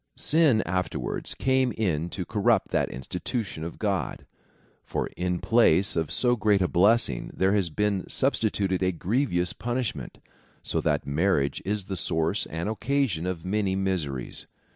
Sin afterwards came in to corrupt that institution of God ; for in place of so great a blessing there has been sub stituted a grievous punishment, so that marriage is the source and occasion of many miseries.